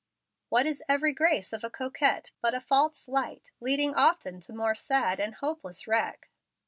What is every grace of a coquette, but a false light, leading often to more sad and hopeless wreck?"